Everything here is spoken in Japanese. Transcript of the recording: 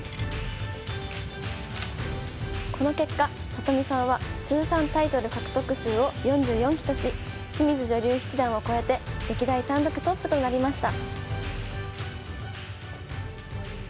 この結果里見さんは通算タイトル獲得数を４４期とし清水女流七段を超えて歴代単独トップとなりました。